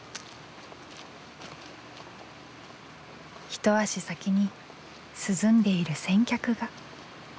一足先に涼んでいる先客が。